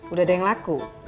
udah ada yang laku